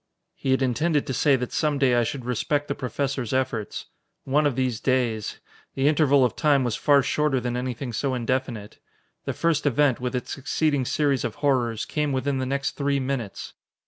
He had intended to say that some day I should respect the Professor's efforts. One of these days! The interval of time was far shorter than anything so indefinite. The first event, with its succeeding series of horrors, came within the next three minutes.